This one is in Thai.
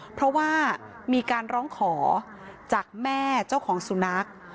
เพราะว่ามีการร้องขอจากแม่เจ้าของสุนัข